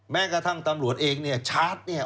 แม้กระทั่งตำรวจเองเนี่ยชาร์จเนี่ย